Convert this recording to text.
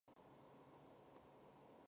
处在越位位置上并不犯规。